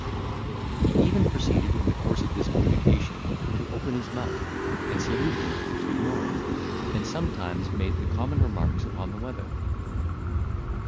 He even proceeded, in the course of this communication, to open his mouth, and salute him with a good morrow, and sometimes made the common remarks upon the weather.